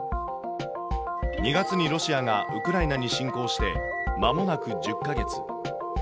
２月にロシアがウクライナに侵攻してまもなく１０か月。